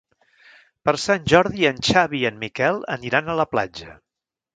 Per Sant Jordi en Xavi i en Miquel aniran a la platja.